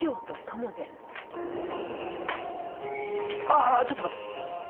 ああちょっと待って。